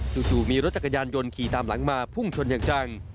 จู่มีรถจักรยานยนต์ขี่ตามหลังมาพุ่งชนอย่างจัง